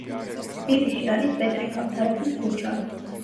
თბილისში არის პეტრე ქავთარაძის ქუჩა.